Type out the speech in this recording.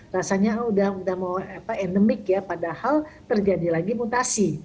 rasanya udah mau endemik ya padahal terjadi lagi mutasi